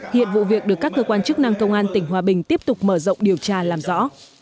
hiện vụ việc được các cơ quan chức năng công an tỉnh hòa bình tiếp tục mở rộng điều tra làm rõ